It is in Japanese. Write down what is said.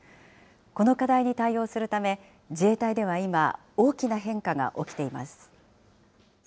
この課題に対応するため、自衛隊では今、大きな変化が起きています。